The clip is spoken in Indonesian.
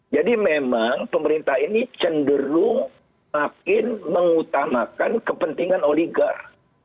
jadi memang pemerintah ini cenderung makin mengutamakan kepentingan oligar